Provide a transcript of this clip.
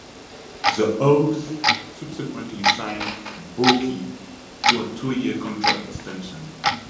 The Hawks subsequently signed Bourque to a two-year contract extension.